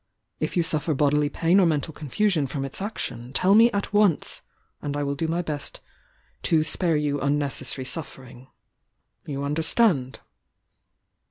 If you suffer bodily pain or mental confusion from its ac tion tell me at once, and I will do my best to spare you unnecessary suffering. You understand?"